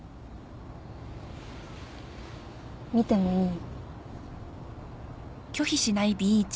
見てもいい？